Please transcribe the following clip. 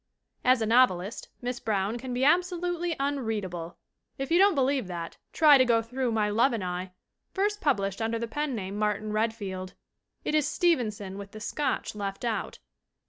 As a novelist Miss Brown can be absolutely un readable. If you don't believe that try to go through My Love and I, first published under the pen name "Martin Redfield." It is Stevenson with the Scotch left out.